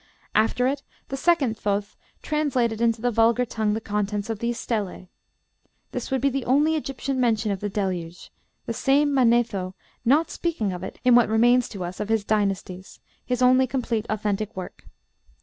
After it the second Thoth translated into the vulgar tongue the contents of these stelæ. This would be the only Egyptian mention of the Deluge, the same Manetho not speaking of it in what remains to us of his 'Dynasties,' his only complete authentic work.